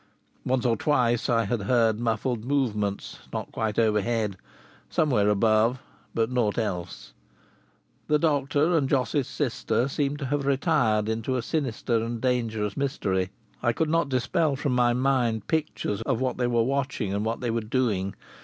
Once or twice I had heard muffled movements not quite overhead somewhere above but naught else. The doctor and Jos's sister seemed to have retired into a sinister and dangerous mystery. I could not dispel from my mind pictures of what they were watching and what they were doing.